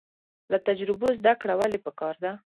له تجربو زده کړه ولې پکار ده؟